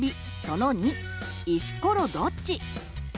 その２「石ころどっち？」。